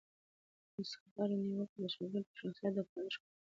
د استاد هره نیوکه د شاګرد د شخصیت د پالش کولو لپاره وي.